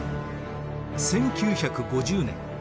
１９５０年